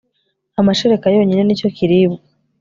amashereka yonyine nicyo kiribwa